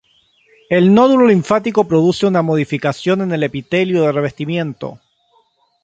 El nódulo linfático produce una modificación en el epitelio de revestimiento.